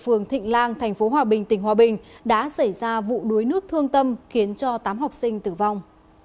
phường thịnh lan tp hòa bình tỉnh hòa bình đã xảy ra vụ đuối nước thương tâm khiến cho tám học sinh tử vong